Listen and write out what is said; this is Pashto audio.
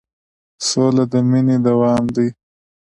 سوله د مینې دوام دی.